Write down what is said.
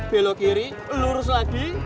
belok kiri lurus lagi